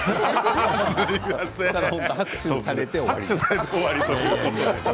拍手されて終わり。